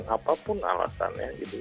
apapun alasannya gitu